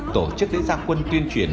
tổ chức lễ gia quân tuyên truyền